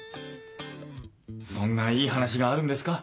そんないい話があるんですか？